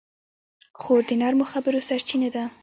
خور د نرمو خبرو سرچینه ده.